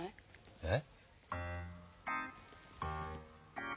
えっ？